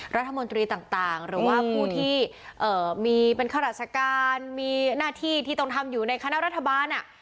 รัฐมนตรีต่างหรือว่าผู้ที่มีเป็นข้าราชการมีหน้าที่ที่ต้องทำอยู่ในคณะรัฐบาล